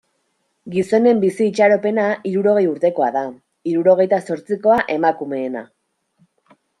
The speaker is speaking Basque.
Gizonen bizi itxaropena hirurogei urtekoa da, hirurogeita zortzikoa emakumeena.